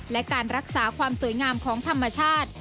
และการรักษาความสวยงามของธรรมชาติ